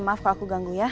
maaf kalau aku ganggu ya